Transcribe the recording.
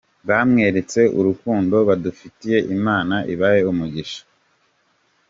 Batweretse urukundo badufitiye, Imana ibahe umugisha”.